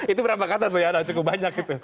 itu berapa kata tuh ya cukup banyak gitu